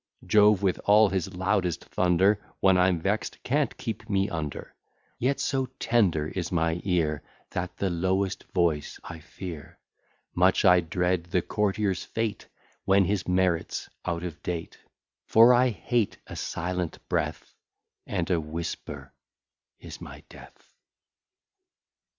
Jove, with all his loudest thunder, When I'm vext, can't keep me under; Yet so tender is my ear, That the lowest voice I fear; Much I dread the courtier's fate, When his merit's out of date, For I hate a silent breath, And a whisper is my death.